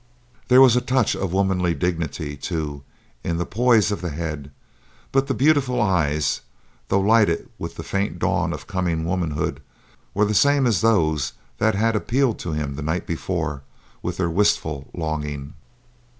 There was a touch of womanly dignity, too, in the poise of the head, but the beautiful eyes, though lighted with the faint dawn of coming womanhood, were the same as those that had appealed to him the night before with their wistful longing.